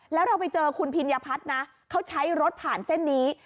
แล้วเราไปเจอคุณพิญญพัฒน์นะเขาใช้รถผ่านเส้นนี้